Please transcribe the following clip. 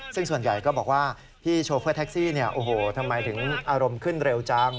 ซึ่งส่วนใหญ่ก็บอกว่าพี่โชเฟอร์แท็กซี่เนี่ยโอ้โหทำไมถึงอารมณ์ขึ้นเร็วจัง